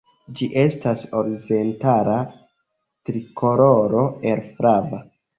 Ĝi estas horizontala trikoloro el flava, blua kaj ruĝa koloroj.